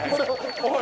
おい。